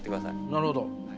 なるほど。